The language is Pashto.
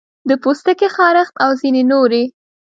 د پوستکي خارښت او ځینې نورې